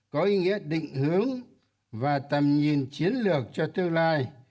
có ý nghĩa định hướng và tầm nhìn chiến lược cho tương lai